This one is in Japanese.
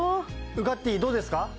ウガッティーどうですか？